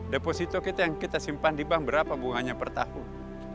deposito kita yang kita simpan di bank berapa bunganya per tahun